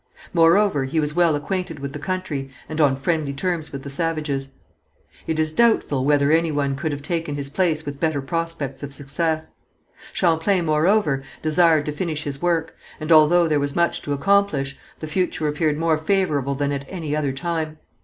Moreover he was well acquainted with the country, and on friendly terms with the savages. It is doubtful whether any one could have taken his place with better prospects of success. Champlain, moreover, desired to finish his work, and although there was much to accomplish, the future appeared more favourable than at any other time.